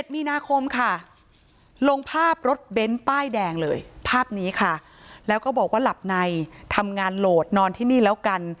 มีนาคมค่ะลงภาพรถเบ้นป้ายแดงเลยภาพนี้ค่ะแล้วก็บอกว่าหลับในทำงานโหลดนอนที่นี่แล้วกัน